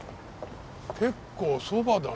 結構そばだな。